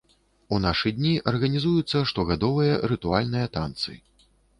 У нашы дні арганізуюцца штогадовыя рытуальныя танцы.